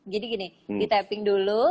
jadi gini di tapping dulu